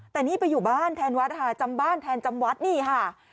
แต่นี่ไปอยู่บ้านแทนวัดค่ะจำบ้านแทนจำวัดนี่ค่ะ